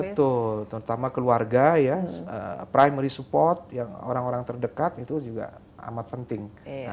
betul terutama keluarga ya primary support yang orang orang terdekat itu juga amat penting